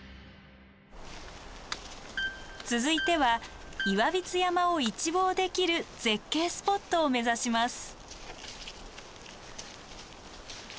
続いては岩櫃山を一望できる絶景スポットを目指します。